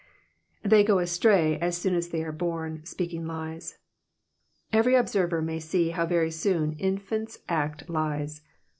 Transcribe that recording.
^'•They go astray as soon as they be bom^ speaking lies.'''* Every observer may see how very soon infants act lies.